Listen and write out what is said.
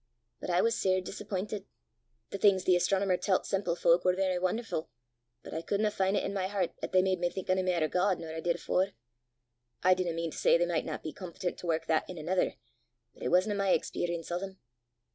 But I was sair disapp'intit. The things the astronomer tellt semple fowk war verra won'erfu', but I couldna fin' i' my hert 'at they made me think ony mair o' God nor I did afore. I dinna mean to say they michtna be competent to wark that in anither, but it wasna my experrience o' them.